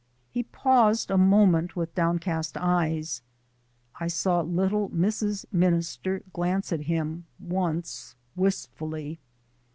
He paused a moment with downcast eyes. I saw little Mrs. Minister glance at him once wistfully.